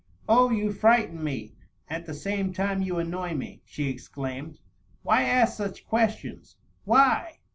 "Oh, you frighten me, and at the same time you annoy me !" she exclaimed* " Why ask such questions? Why